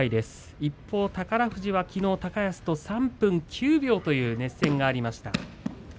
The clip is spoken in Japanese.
一方宝富士は、きのう高安と３分９秒という熱戦がありました。